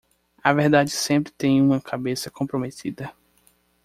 A verdade sempre tem uma cabeça comprometida.